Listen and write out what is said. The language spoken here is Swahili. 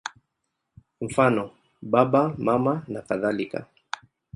Mfano: Baba, Mama nakadhalika.